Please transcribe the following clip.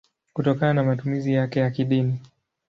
kutokana na matumizi yake ya kidini.